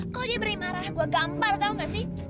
kalo dia berani marah gue gampar tau gak sih